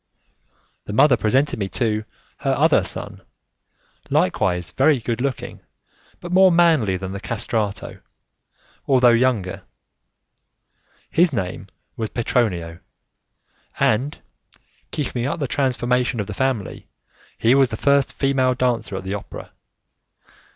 The mother presented to me her other son, likewise very good looking, but more manly than the 'castrato', although younger. His name was Petronio, and, keeping up the transformations of the family, he was the first female dancer at the opera.